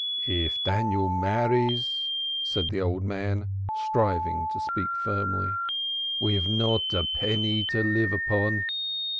"If Daniel marries," said the old man, striving to speak firmly, "we have not a penny to live upon.